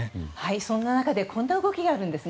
そんな中でこんな動きがあります。